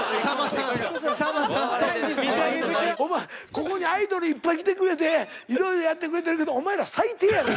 ここにアイドルいっぱい来てくれていろいろやってくれてるけどお前ら最低やで。